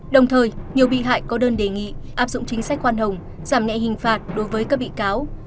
đồng thời nhiều bị hại có đơn đề nghị áp dụng chính sách khoan hồng giảm nhẹ hình phạt đối với các bị cáo